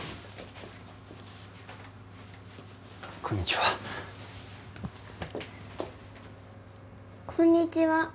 こんにちは。